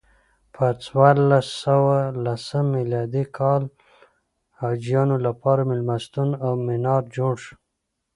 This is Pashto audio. په څوارلس سوه لسم میلادي کال حاجیانو لپاره میلمستون او منار جوړ شو.